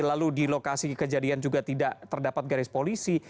lalu di lokasi kejadian juga tidak terdapat garis polisi